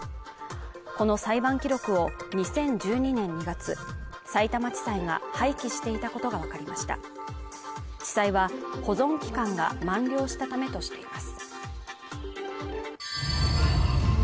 この裁判記録を２０１２年２月さいたま地裁が廃棄していたことが分かりました地裁は保存期間が満了したためとしています